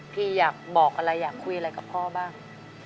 พี่อยากบอกอะไรอยากคุยอะไรกับพ่อบ้าง